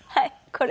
これ。